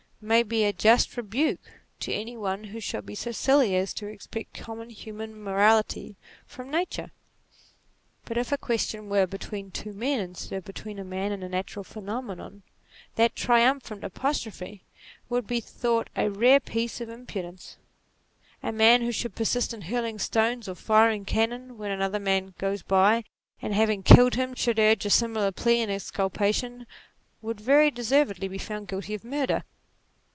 may be a just rebuke to any one who should be so silly as to expect common human morality from nature. But if the question were between two men, instead of between a man and a natural phenomenon, that triumphant apostrophe would be thought a rare piece of impu dence. A man who should persist in hurling stones or firing cannon when another man " goes by," and having killed him should urge a similar plea in exculpation, would very deservedly be found guilty of murder.